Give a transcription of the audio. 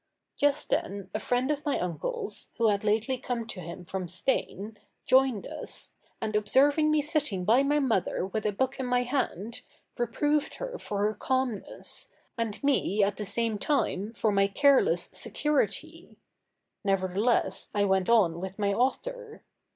Just then, a friend of my uncle's, who had lately come to him from Spain, joined us, and observing me sitting by my mother with a book in my hand, reproved her for her calmness, and me at the same time for my careless security: nevertheless I went on with my author.